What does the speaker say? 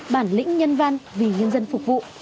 bản lĩnh nhân văn vì nhân dân phục vụ